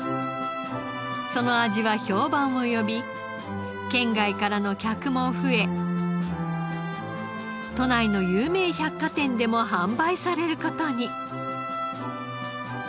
その味は評判を呼び県外からの客も増え都内の有名百貨店でも販売される事に。